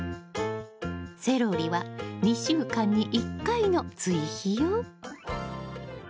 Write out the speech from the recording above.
セロリは２週間に１回の追肥よ。